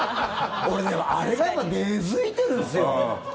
俺、あれが今根付いてるんすよ。